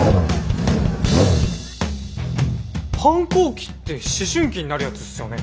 反抗期って思春期になるやつっすよね？